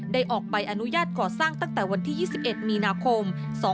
ออกใบอนุญาตก่อสร้างตั้งแต่วันที่๒๑มีนาคม๒๕๖